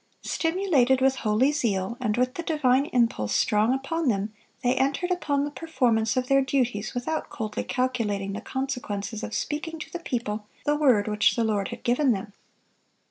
Stimulated with holy zeal, and with the divine impulse strong upon them, they entered upon the performance of their duties without coldly calculating the consequences of speaking to the people the word which the Lord had given them.